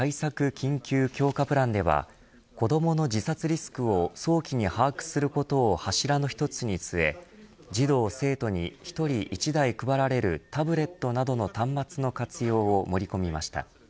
緊急強化プランでは子どもの自殺リスクを早期に把握することを柱の一つに据え児童生徒に１人１台配られるタブレットなどの端末の活用を盛り込みました。